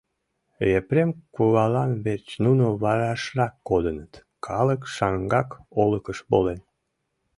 Епрем кувалан верч нуно варашрак кодыныт: калык шаҥгак олыкыш волен.